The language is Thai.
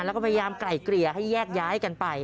แล้วก็พยายามไกล่เกลี่ยให้แยกย้ายกันไป